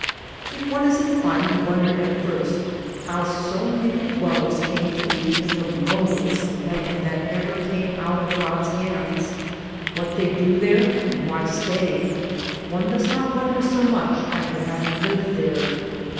If one is incHned to wonder at first how so many dwellers came to be in the lone liest land that ever came out of God's hands, what they do there and why stay, one does not wonder so much after having lived there.